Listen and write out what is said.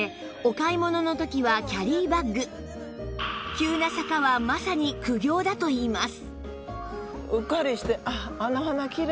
急な坂はまさに苦行だといいます